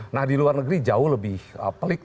oke oke nah di luar negeri jauh lebih pelik dan lebih mudah